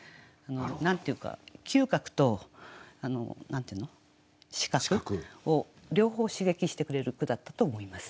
何て言うか嗅覚と視覚を両方刺激してくれる句だったと思います。